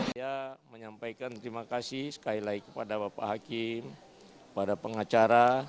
saya menyampaikan terima kasih sekali lagi kepada bapak hakim kepada pengacara lawyer